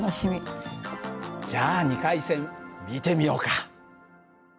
じゃあ２回戦見てみようか。